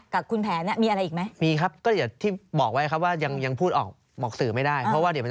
กับคุณแผนมีอะไรอีกไหม